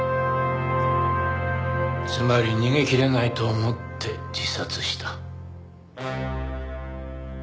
つまり逃げきれないと思って自殺した。